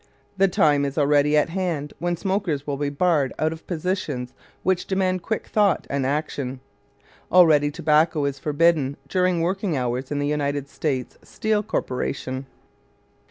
The time is already at hand when smokers will be barred out of positions which demand quick thought and action. Already tobacco is forbidden during working hours in the United States Steel Corporation.